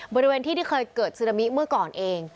บริเวณที่ที่เคยเกิดซึนามิเมื่อก่อนเอง